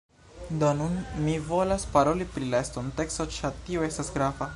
Do, nun mi volas paroli pri la estonteco ĉar tio estas grava